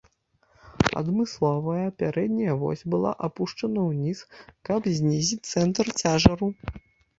Адмысловая пярэдняя вось была апушчана ўніз, каб знізіць цэнтр цяжару.